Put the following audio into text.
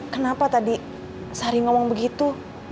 kenapa tadi sari ngomong begitu